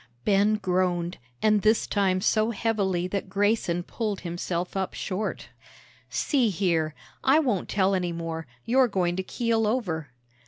Ben groaned, and this time so heavily that Grayson pulled himself up short. "See here, I won't tell any more; you're going to keel over."